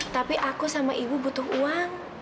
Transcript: tapi aku sama ibu butuh uang